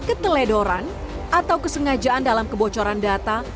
keteledoran atau kesengajaan dalam kebocoran data